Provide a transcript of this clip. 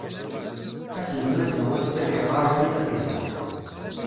Aselmad n waddal iɣɣar-iyi abelbul.